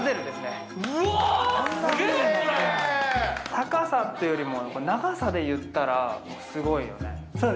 高さというよりも長さでいったらすごいよね